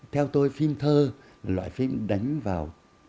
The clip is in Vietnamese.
theo tôi phim thơ là loại phim đánh vào